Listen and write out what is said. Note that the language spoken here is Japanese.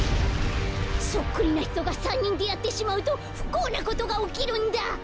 そっくりなひとが３にんであってしまうとふこうなことがおきるんだ。